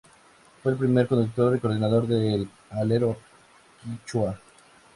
Fue el primer conductor y coordinador del Alero quichua.